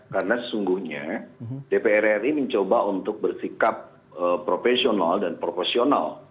karena sesungguhnya dpr ri mencoba untuk bersikap profesional dan proporsional